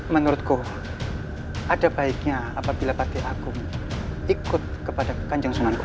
menurutku ada baiknya apabila pati agung ikut kepada kanjang sunan kudus